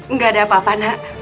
nggak ada apa apa nak